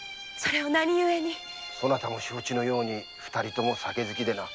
そなたも承知のように二人とも酒好きでな。